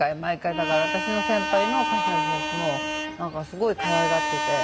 だから私の先輩の歌手の人たちもなんかすごい可愛がってて。